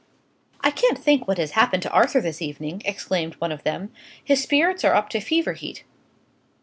"I can't think what has happened to Arthur this evening!" exclaimed one of them. "His spirits are up to fever heat.